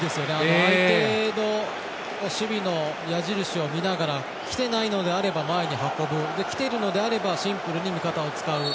相手の守備の矢印を見ながらきていないのであれば前に運ぶ。来ているのであればシンプルに味方を使う。